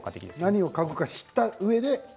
何を嗅ぐか知ったうえで？